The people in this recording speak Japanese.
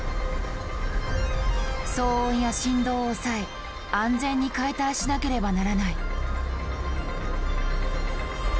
騒音や振動を抑え安全に解体しなければならない。